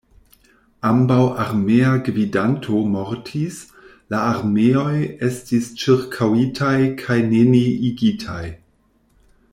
Ambaŭ armea gvidanto mortis, la armeoj estis ĉirkaŭitaj kaj neniigitaj.